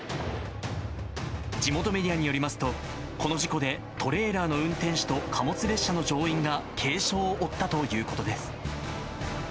地元メディアによりますと、この事故でトレーラーの運転手と貨物列車の乗員が軽傷を負ったということです。